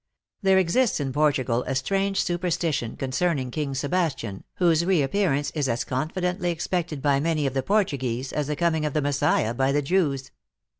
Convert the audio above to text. There exists in Portugal a strange su perstition concerning King Sebastian, whose reappear ance is as confidently expected by many of the Port uguese, as the coming of the Messiah by the Jews.